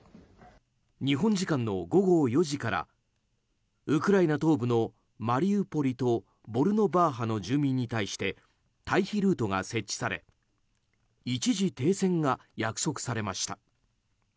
日本時間の午後４時からウクライナ東部のマリウポリとボルノバーハの住民に対して退避ルートが設置され一時停戦が約束されました。